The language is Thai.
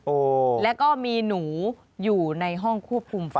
แล้วก็มีหนูอยู่ในห้องควบคุมไฟ